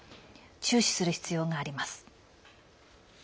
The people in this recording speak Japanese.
注視する必要があります。